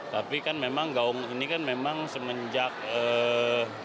tapi kan memang gaung ini kan memang semenjak